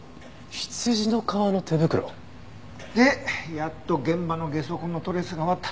羊の革の手袋？でやっと現場のゲソ痕のトレースが終わった。